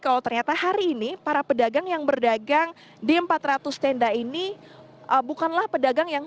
kalau ternyata hari ini para pedagang yang berdagang di empat ratus tenda ini bukanlah pedagang yang